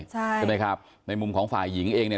ใช่ไหมครับในมุมของฝ่ายหญิงเองเนี่ย